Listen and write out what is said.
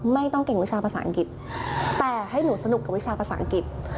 ไม่ต้องเก่งวิชาภาษาอังกฤษแต่ให้หนูสนุกกับวิชาภาษาอังกฤษ